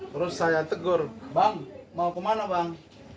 terus saya tegur bang mau kemana bang